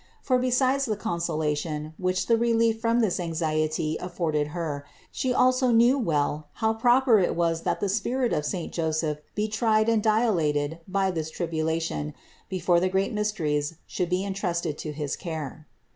For besides the con solation, which the relief from this anxiety afforded Her, She also knew well how proper it was that the spirit of saint Joseph be tried and dilated by this tribulation be fore the great mysteries should be entrusted to his care.